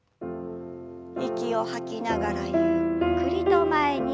息を吐きながらゆっくりと前に。